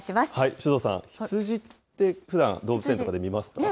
首藤さん、羊ってふだん動物園とかで見ますか？